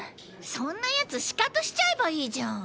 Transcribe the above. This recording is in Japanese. そんな奴シカトしちゃえばいいじゃん！